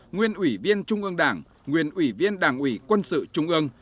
nguyên ủy viên trung ương đảng nguyên ủy viên đảng ủy quân sự trung ương